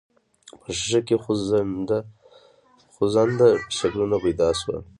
په ښيښه کې خوځنده شکلونه پيدا شول.